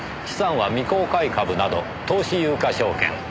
資産は未公開株など投資有価証券。